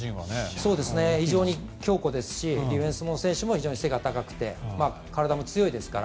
非常に強固ですしディフェンスの選手も非常に背が高くて体も強いですから。